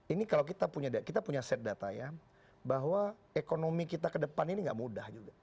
ini kalau kita punya set data ya bahwa ekonomi kita ke depan ini gak mudah juga